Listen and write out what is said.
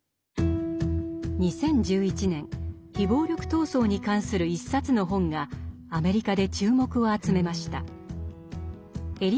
２０１１年非暴力闘争に関する一冊の本がアメリカで注目を集めました。